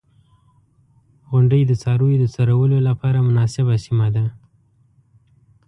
• غونډۍ د څارویو د څرولو لپاره مناسبه سیمه ده.